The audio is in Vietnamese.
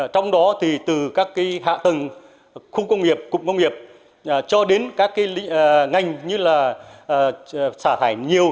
trong đó thì từ các hạ tầng khu công nghiệp cụm công nghiệp cho đến các ngành như là xả thải nhiều